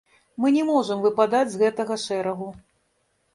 Мы не можам выпадаць з гэтага шэрагу.